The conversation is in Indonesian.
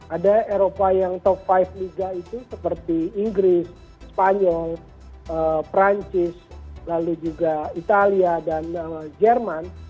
ada eropa yang top lima liga itu seperti inggris spanyol perancis lalu juga italia dan jerman